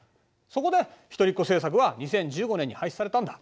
そこで一人っ子政策は２０１５年に廃止されたんだ。